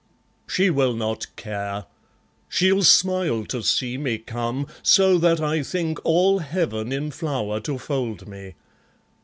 ... She will not care. She'll smile to see me come, So that I think all Heaven in flower to fold me.